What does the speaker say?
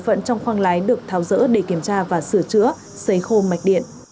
bộ phận trong khoang lái được tháo rỡ để kiểm tra và sửa chữa xây khô mạch điện